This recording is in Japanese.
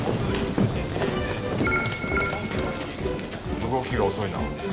動きが遅いな。